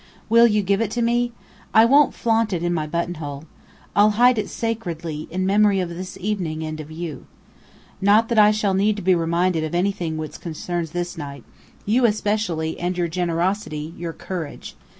Will you give it to me? I won't flaunt it in my buttonhole. I'll hide it sacredly, in memory of this evening and of you. Not that I shall need to be reminded of anything which concerns this night you especially, and your generosity, your courage.